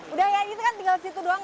udah ya ini kan tinggal situ doang ya